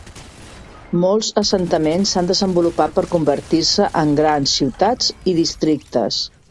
Molts assentaments s'han desenvolupat per convertir-se en grans ciutats i districtes.